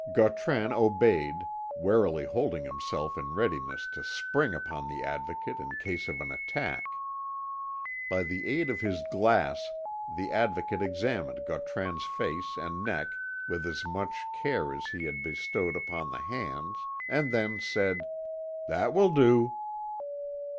Gautran obeyed, warily holding himself in readiness to spring upon the Advocate in case of an attack. By the aid of his glass the Advocate examined Gautran's face and neck with as much care as he had bestowed upon the hands, and then said: "That will do."